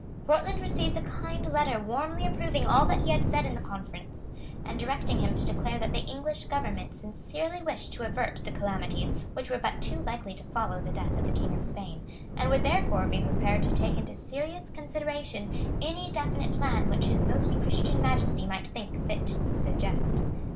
Portland received a kind letter warmly approving all that he had said in the conference, and directing him to declare that the English government sincerely wished to avert the calamities which were but too likely to follow the death of the King of Spain, and would therefore be prepared to take into serious consideration any definite plan which His Most Christian Majesty might think fit to suggest.